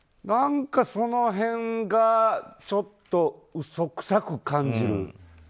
何かその辺がちょっと嘘くさく感じる。